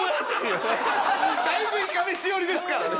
だいぶいかめし寄りですからね。